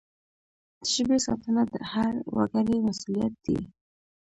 د ژبي ساتنه د هر وګړي مسؤلیت دی.